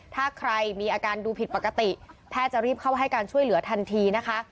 ถ้าใครมีอาการดูผิดปกติแพทย์จะรีบเข้าให้การช่วยเหลือทันทีนะคะ